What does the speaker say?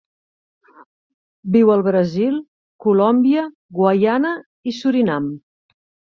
Viu al Brasil, Colòmbia, Guaiana i Surinam.